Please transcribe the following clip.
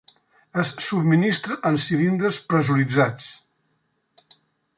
Es subministra en cilindres pressuritzats.